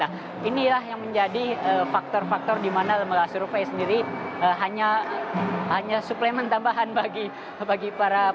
nah inilah yang menjadi faktor faktor di mana lembaga survei sendiri hanya suplemen tambahan bagi para